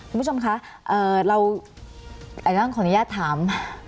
คุณผู้ชมคะเอ่อเราแอดลังของอนุญาตถาม